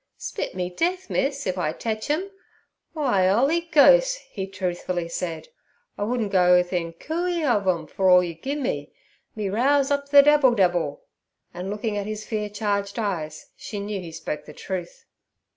'Spit me death, miss, if I tetch em. W'y, 'Oly Ghos" he truthfully said, 'I wouldn' go 'ithin cooey of em for all you'd gi'e me. Me rouse up ther debbil debbil' and looking at his fear charged eyes, she knew he spoke the truth.